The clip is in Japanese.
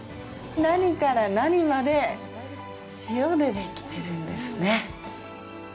何から何まで塩でできてるんですね。